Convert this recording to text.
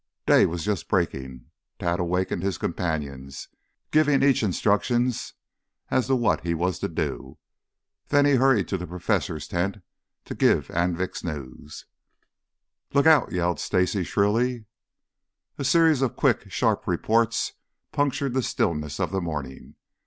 Day was just breaking. Tad awakened his companions, giving each instructions as to what he was to do. Then he hurried to the Professor's tent to give Anvik's news. "Look out!" yelled Stacy shrilly. A series of quick, sharp reports punctured the stillness of the morning.